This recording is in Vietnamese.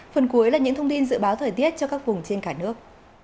phần cuối là những thông tin dự báo thời tiết cho các vùng trên cả nước